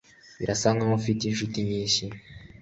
Birasa nkaho afite inshuti nyinshi.